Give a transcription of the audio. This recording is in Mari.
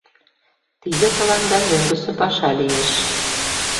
Тиде тыланда мӧҥгысӧ паша лиеш.